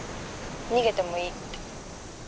「逃げてもいいって」